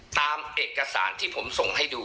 ตามเอกสารที่ผมส่งให้ดู